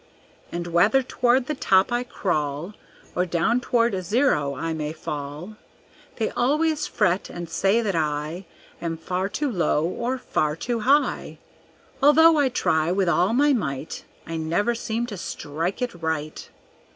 And whether toward the top I crawl Or down toward zero I may fall, They always fret, and say that I Am far too low or far too high. Although I try with all my might, I never seem to strike it right.